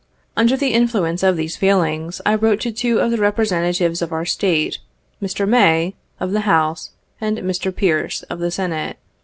Under the influence of these feelings, I wrote to two of the Representatives of our State, Mr. May, of the House, and Mr. Pearce, of the Senate.